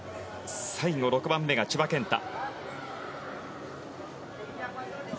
最後６番目が千葉健太。